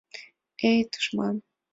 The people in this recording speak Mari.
Эй, тушман